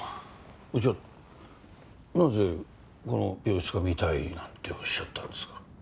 じゃあなぜこの病室が見たいなんておっしゃったんですか？